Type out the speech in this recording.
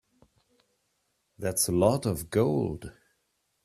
That's a lot of gold.